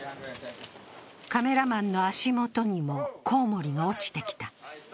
カメラマンの足元にもコウモリが落ちてきた。